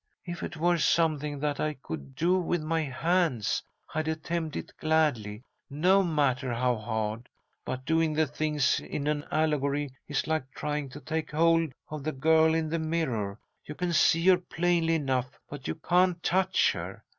If it were something that I could do with my hands, I'd attempt it gladly, no matter how hard; but doing the things in an allegory is like trying to take hold of the girl in the mirror. You can see her plainly enough, but you can't touch her.